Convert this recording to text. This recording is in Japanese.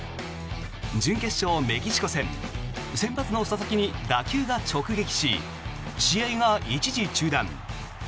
準決勝メキシコ戦先発の佐々木に打球が直撃し試合が一時中断。